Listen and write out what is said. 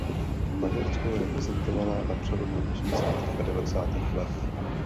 Maďarsko reprezentovala na přelomu osmdesátých a devadesátých let.